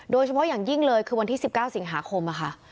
โดยเฉพาะอย่างยิ่งเลยคือวันที่๑๙สิงหาคมค่ะ